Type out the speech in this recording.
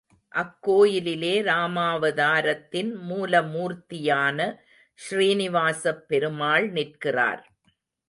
அக்கோயிலிலே ராமாவதாரத்தின் மூலமூர்த்தியான ஸ்ரீநிவாசப் பெருமாள் நிற்கிறார்.